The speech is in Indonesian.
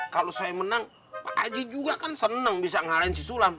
kalau saya menang pak haji juga kan senang bisa ngalahin sisulan